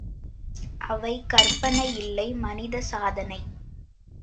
அவை கற்பனை இல்லை மனித சாதனை.